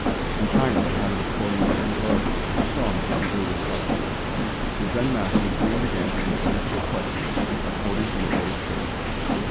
In China the habit of quoting written authority was too strong to be easily discarded. The Zen masters soon began to answer difficult questions by quoting from the Buddhist Scriptures.